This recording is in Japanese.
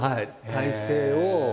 体勢を。